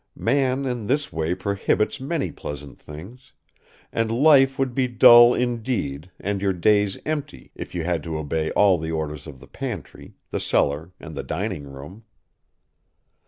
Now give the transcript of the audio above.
Man in this way prohibits many pleasant things, and life would be dull indeed and your days empty if you had to obey all the orders of the pantry, the cellar and the dining room.